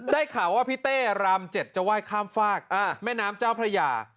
ข่าวว่าพี่เต้ราม๗จะไหว้ข้ามฝากแม่น้ำเจ้าพระยา